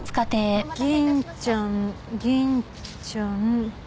銀ちゃん銀ちゃん。